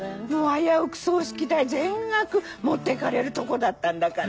危うく葬式代全額持ってかれるとこだったんだから。